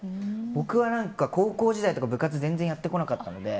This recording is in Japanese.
僕は高校時代とか部活全然やってこなかったので